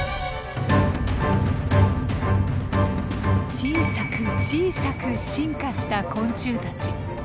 小さく小さく進化した昆虫たち。